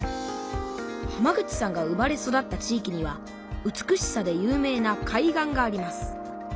浜口さんが生まれ育った地いきには美しさで有名な海岸があります。